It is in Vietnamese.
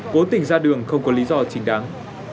cố tình ra đường không có lý do chính đáng